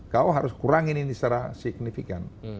kau harus kurangin ini secara signifikan